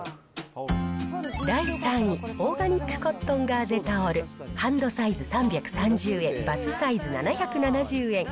第３位、オーガニックコットンガーゼタオルハンドサイズ３３０円、バスサイズ７７０円。